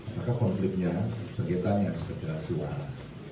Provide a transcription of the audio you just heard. apakah konfliknya sekitarnya sepedera suara